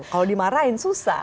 kalau dimarahin susah